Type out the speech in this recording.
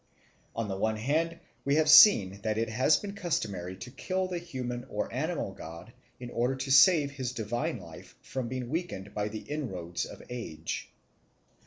On the one hand we have seen that it has been customary to kill the human or animal god in order to save his divine life from being weakened by the inroads of age.